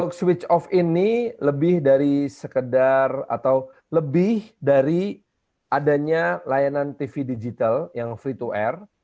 untuk switch off ini lebih dari sekedar atau lebih dari adanya layanan tv digital yang free to air